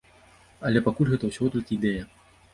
Але пакуль гэта ўсяго толькі ідэя.